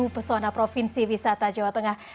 pesona provinsi wisata jawa tengah